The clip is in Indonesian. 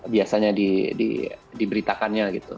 biasanya diberitakannya gitu